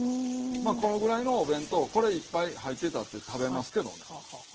まあこのぐらいのお弁当これいっぱい入ってたって食べますけどね。